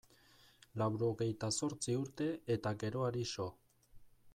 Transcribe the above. Laurogehita zortzi urte eta geroari so.